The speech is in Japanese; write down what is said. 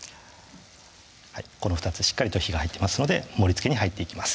この２つしっかりと火が入っていますので盛りつけに入っていきます